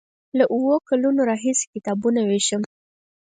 له اوو کلونو راهیسې کتابونه ویشم.